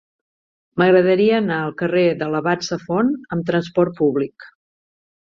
M'agradaria anar al carrer de l'Abat Safont amb trasport públic.